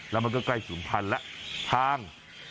แล้วมันก็ใกล้สุนพันธุ์และทาง